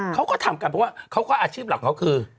เขาก็ทำกันเพราะว่าเขาก็อาชีพหลักของเขาคือ